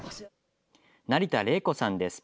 成田怜子さんです。